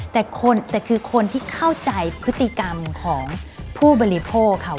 แต่คือคนที่เข้าใจพฤติกรรมของผู้บริโภคเขา